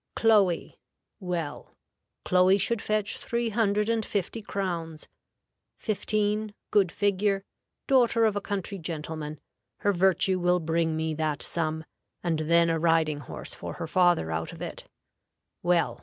"Chloe, well Chloe should fetch three hundred and fifty crowns; fifteen; good figure; daughter of a country gentleman; her virtue will bring me that sum, and then a riding horse for her father out of it; well.